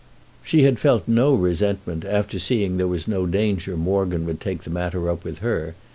She had felt no resentment after seeing there was no danger Morgan would take the matter up with her.